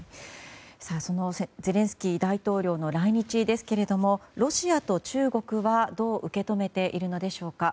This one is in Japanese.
そのゼレンスキー大統領の来日ですけれどもロシアと中国は、どう受け止めているのでしょうか。